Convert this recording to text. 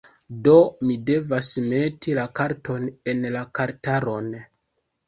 Do, mi devas meti la karton en la kartaron